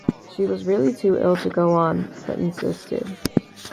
She was really too ill to go on, but insisted.